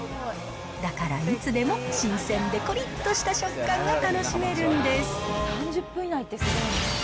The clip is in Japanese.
だからいつでも新鮮でこりっとした食感が楽しめるんです。